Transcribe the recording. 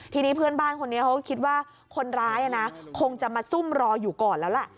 ทีนี้เพื่อนบ้านคนนี้เขาก็คิดว่าคนร้ายคงจะมาซุ่มรออยู่ก่อนแล้วแหละ